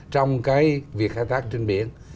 trong cái việc khai thác trên biển